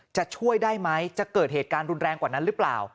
จะช่วยได้ไหมจะเกิดเหตุการณ์รุนแรงกว่านั้นหรือเปล่า